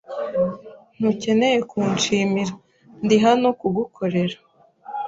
Ntukeneye kunshimira. Ndi hano kugukorera.